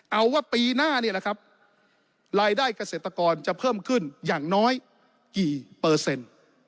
เอาว่าปีหน้านี่แหละครับรายได้เกษตรกรจะเพิ่มขึ้นอย่างน้อยกี่เปอร์เซ็นต์